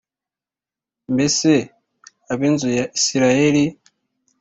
mbese ab inzu ya Isirayeli